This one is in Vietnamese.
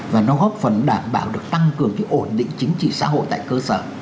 và nó góp phần đảm bảo được tăng cường cái ổn định chính trị xã hội tại cơ sở